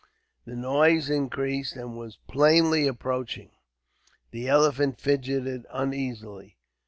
The noise increased, and was plainly approaching. The elephant fidgeted uneasily.